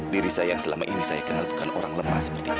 diri saya yang selama ini saya kenal bukan orang lemah seperti kita